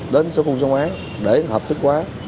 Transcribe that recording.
đến số khung số máy để hợp thức hóa